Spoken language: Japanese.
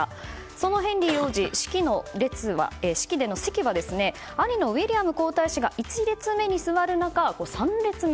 そのヘンリー王子、式での席は兄のウィリアム皇太子が１列目に座る中３列目。